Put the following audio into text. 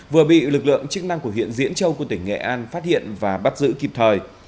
vừa bị lực lượng chức năng của huyện diễn châu của tỉnh nghệ an phát hiện và bắt giữ kịp thời